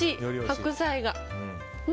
白菜が。